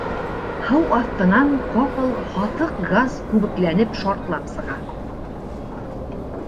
Һыу аҫтынан ҡапыл һаҫыҡ газ күбекләнеп шартлап сыға.